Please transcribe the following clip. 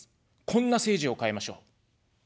こんな政治を変えましょう。